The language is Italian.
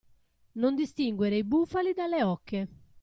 Non distinguere i bufali dalle oche.